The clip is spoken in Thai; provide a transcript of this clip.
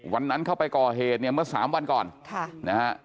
วันนั้นเข้าไปก่อเหตุเมื่อ๓วันก่อน